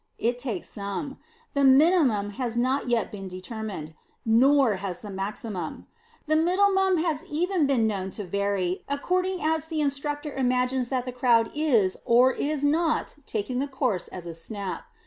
It takes some. The minimum has not yet been determined; nor has the maximum. The middlemum has even been known to vary, according as the instructor imagines that the crowd is or is not taking the course as a snap.